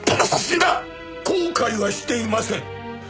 後悔はしていません。